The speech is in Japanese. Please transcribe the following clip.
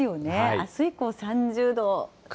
あす以降、３０度ね。